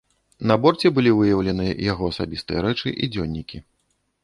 На борце былі выяўленыя яго асабістыя рэчы і дзённікі.